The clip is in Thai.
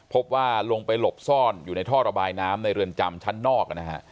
พบว่าลงไปหลบซ่อนอยู่ในท่อระบายน้ำในเรือนจำชั้นนอกนะฮะ